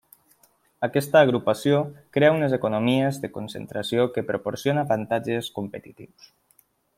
Aquesta agrupació crea unes economies de concentració que proporciona avantatges competitius.